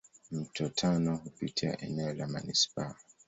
Mto Tana hupitia eneo la manispaa.